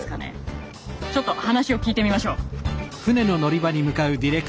ちょっと話を聞いてみましょう！